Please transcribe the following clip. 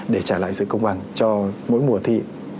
để lại sự công bằng cho mỗi mùa thi